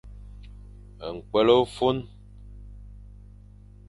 Ñkwel ô fôn.